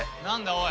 おい。